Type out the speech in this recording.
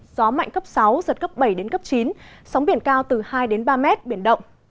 gió mạnh cấp sáu giật cấp bảy đến cấp chín sóng biển cao từ hai đến ba mét biển động